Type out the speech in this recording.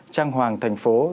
trang hoàng thành phố